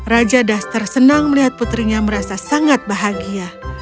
raja duster senang melihat putrinya merasa sangat bahagia